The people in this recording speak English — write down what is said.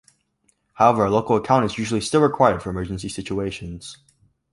However, a local account is usually still required for emergency situations.